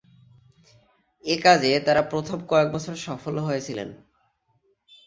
এ কাজে তাঁরা প্রথম কয়েক বছর সফলও হয়েছিলেন।